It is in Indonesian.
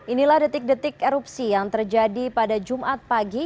inilah detik detik erupsi yang terjadi pada jumat pagi